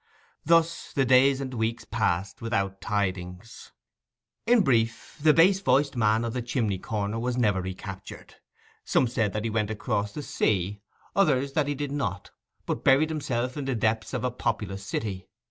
Thus the days and weeks passed without tidings. In brief; the bass voiced man of the chimney corner was never recaptured. Some said that he went across the sea, others that he did not, but buried himself in the depths of a populous city.